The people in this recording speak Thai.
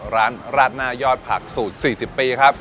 ร้านราดหน้ายอดผักสูตร๔๐ปีครับ